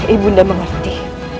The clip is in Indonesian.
ibu nia mengerti